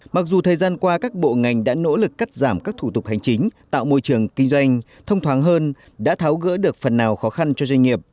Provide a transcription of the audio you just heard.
mặc dù thời gian qua các bộ ngành đã nỗ lực cắt giảm các thủ tục hành chính tạo môi trường kinh doanh thông thoáng hơn đã tháo gỡ được phần nào khó khăn cho doanh nghiệp